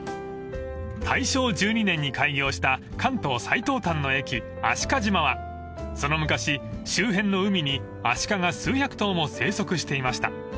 ［大正１２年に開業した関東最東端の駅海鹿島はその昔周辺の海にアシカが数百頭も生息していました］